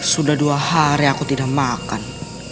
sudah dua hari aku tidak makan